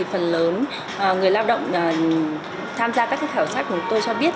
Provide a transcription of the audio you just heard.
phần lớn người lao động tham gia các khảo sát tôi cho biết